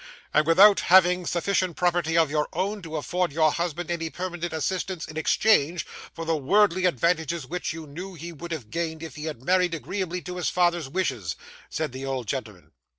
'And without having sufficient property of your own to afford your husband any permanent assistance in exchange for the worldly advantages which you knew he would have gained if he had married agreeably to his father's wishes?' said the old gentleman.